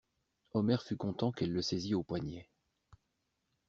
Omer fut content qu'elle le saisît au poignet.